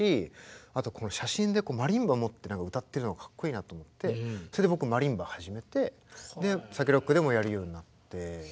あとこの写真でマリンバ持って歌ってるのがかっこいいなと思ってそれで僕マリンバ始めてＳＡＫＥＲＯＣＫでもやるようになって。